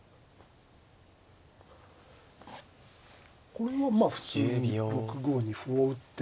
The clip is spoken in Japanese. これはまあ普通に６五に歩を打って。